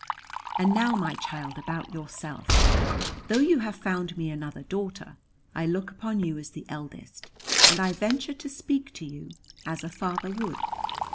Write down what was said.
"And now, my child, about yourself. Though you have found me another daughter, I look upon you as the eldest; and I venture to speak to you, as a father would.